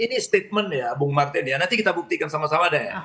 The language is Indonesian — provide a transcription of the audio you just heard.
nanti kita buktikan sama sama deh